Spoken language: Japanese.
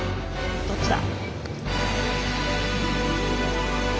どっちだ？